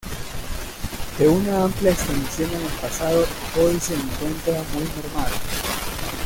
De una amplia extensión en el pasado, hoy se encuentra muy mermada.